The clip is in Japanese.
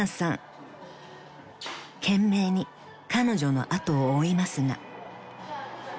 ［懸命に彼女の後を追いますが］